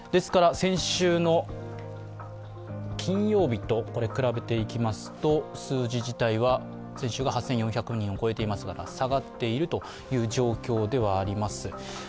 先週の金曜日と比べていきますと、数字自体は先週が８４００人を超えていましたから下がっているという状況ではあります。